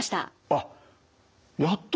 あっやっと？